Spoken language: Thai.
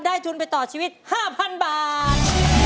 ทุนไปต่อชีวิต๕๐๐๐บาท